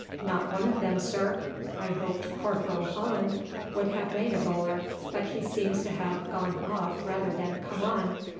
"Not one of them, sir. I hoped Corporal Holland would have made a bowler, but he seems to have gone off rather than come on.